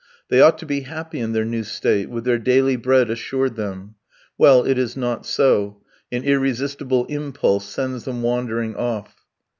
They ought to be happy in their new state, with their daily bread assured them. Well, it is not so; an irresistible impulse sends them wandering off.